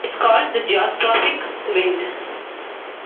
It's called the geostrophic wind.